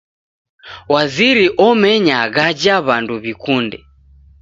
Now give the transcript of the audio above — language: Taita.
Waziri omenya ghaja w'andu w'ikunde.